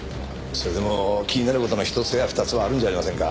それでも気になる事の１つや２つはあるんじゃありませんか？